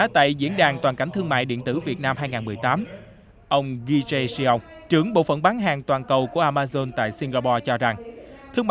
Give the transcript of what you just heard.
tôi nghĩ đây là một cơ hội tốt